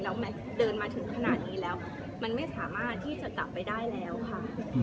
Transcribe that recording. แล้วแมทเดินมาถึงขนาดนี้แล้วมันไม่สามารถที่จะจับไปได้แล้วค่ะ